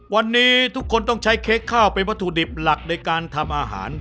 วันนี้ทุกคนต้องใช้เค้กข้าวเป็นวัตถุดิบหลักในการทำอาหาร